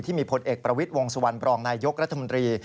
พลเอกประวิทย์วงสุวรรณบรองนายยกรัฐมนตรี